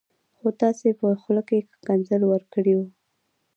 خو تاسي په خوله کي ښکنځل ورکړي و